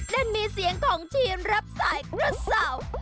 นั่นมีเสียงของทีมรับสายกระเสา